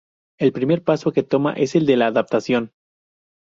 El primer paso que toma es el de la "adaptación.